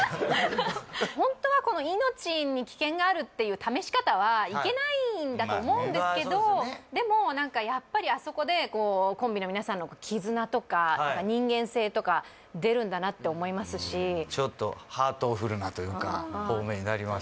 ホントはこの命に危険があるっていう試し方はいけないんだと思うんですけどでも何かやっぱりあそこでコンビの皆さんのんだなって思いますしちょっとハートフルなというか方面になりました